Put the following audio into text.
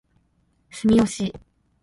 住吉